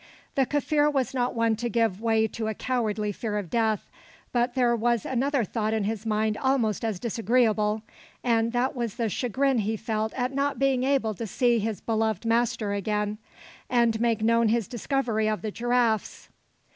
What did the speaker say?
The Kaffir was not one to give way to a cowardly fear of death, but there was another thought in his mind almost as disagreeable, and that was the chagrin he felt of not being able to see his beloved master again, and make known his discovery of the giraffes.